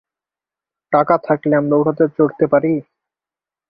টাকা থাকলে আমরা ওটাতে চড়তে পারি?